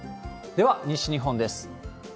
では、西日本です。